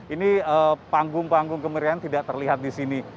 ini panggung panggung kemerian tidak terlihat di sini